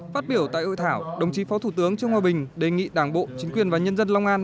phát biểu tại hội thảo đồng chí phó thủ tướng trương hòa bình đề nghị đảng bộ chính quyền và nhân dân long an